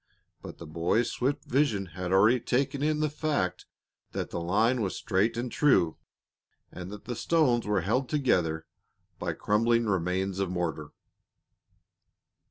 But the boy's swift vision had already taken in the fact that the line was straight and true, and that the stones were held together by crumbling remains of mortar.